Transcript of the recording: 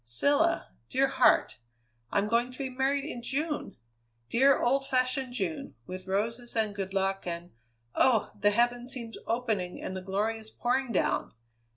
Cilla, dear heart, I'm going to be married in June! Dear, old fashioned June, with roses and good luck and oh! the heaven seems opening and the glory is pouring down!